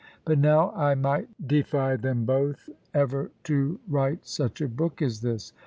But now I might defy them both, ever to write such a book as this.